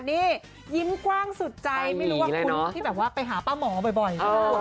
นี่ยิ้มกว้างสุดใจไม่รู้ว่าคุณที่แบบว่าไปหาป้าหมอบ่อย